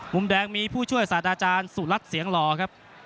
มุมแดงมีผู้ช่วยศาสตราจารย์สุรัตน์เสียงหล่อครับ